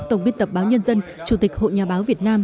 tổng biên tập báo nhân dân chủ tịch hội nhà báo việt nam